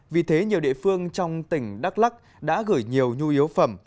vì thế nhiều địa phương trong tỉnh đắk lắc đã gửi nhiều nhu yếu phẩm